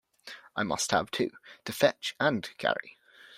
‘I must have two—to fetch and carry.